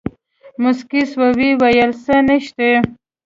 موسکى سو ويې ويل سه نيشتې.